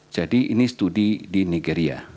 jadi ini studi di nigeria